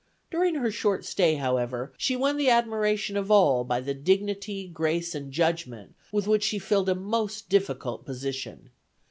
During her short stay, however, she won the admiration of all by the dignity, grace and judgment with which she filled a most difficult position.